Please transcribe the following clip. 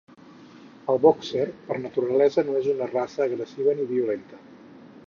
El boxer, per, naturalesa no és una raça agressiva ni violenta.